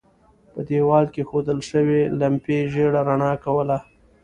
په دېوال کې اېښودل شوې لمپې ژېړه رڼا کوله.